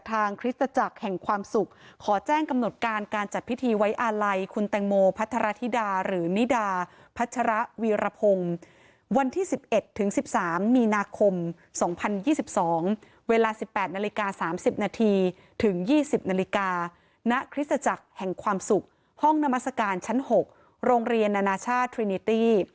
วัน๑๓มีนาคม๒๐๒๒เวลา๑๘นาฬิกา๓๐นาทีถึง๒๐นาฬิกาณคริสตจักรแห่งความสุขห้องนามัสการชั้น๖โรงเรียนนาชาติทรินิตี้